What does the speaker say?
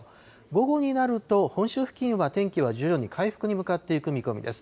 午後になると、本州付近は天気は徐々に回復に向かっていく見込みです。